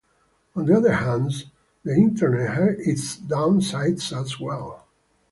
On the other hand, the Internet has its downsides as well.